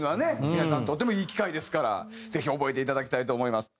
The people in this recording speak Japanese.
皆さんにとってもいい機会ですからぜひ覚えていただきたいと思います。